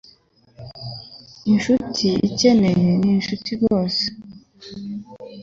Inshuti ikeneye ninshuti rwose